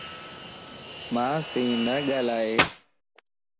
مانسين نه ڳالھائي